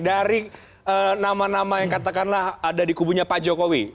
dari nama nama yang katakanlah ada di kubunya pak jokowi